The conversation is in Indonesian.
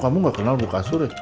kamu gak kenal bukasur ya